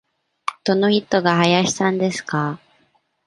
どの人が林さんですか。